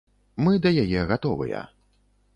Мы да яе гатовыя.